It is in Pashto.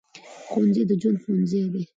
ښوونځی د ژوند ښوونځی دی